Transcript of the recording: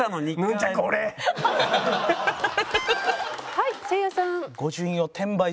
はいせいやさん。